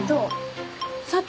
砂糖。